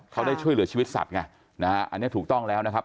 เขาได้ช่วยเหลือชีวิตสัตว์ไงนะฮะอันนี้ถูกต้องแล้วนะครับ